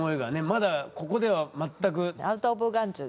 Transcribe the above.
まだここでは全く。